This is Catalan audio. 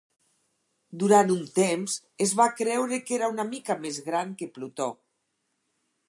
Durant un temps, es va creure que era una mica més gran que Plutó.